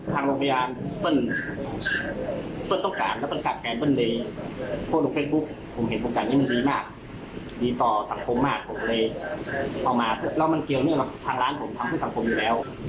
ชีวิตสำคัญกว่าผมสามารถที่ยืดตรงนี้ให้ได้